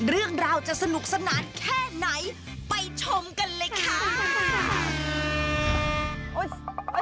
เรื่องราวจะสนุกสนานแค่ไหนไปชมกันเลยค่ะ